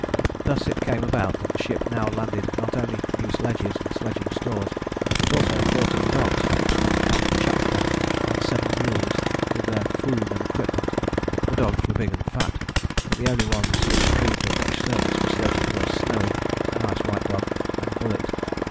Thus it came about that the ship now landed not only new sledges and sledging stores but also fourteen dogs from Kamchatka and seven mules, with their food and equipment. The dogs were big and fat, but the only ones which proved of much service for sledging were Snowy, a nice white dog, and Bullett.